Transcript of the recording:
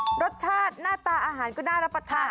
รสชาติหน้าตาอาหารก็น่ารับประทาน